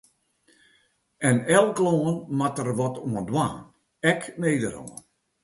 En elk lân moat der wat oan dwaan, ek Nederlân.